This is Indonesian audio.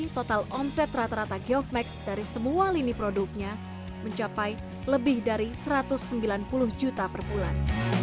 total omset rata rata geofmax dari semua lini produknya mencapai lebih dari satu ratus sembilan puluh juta per bulan